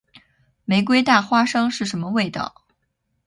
玫瑰大花生是什么味道？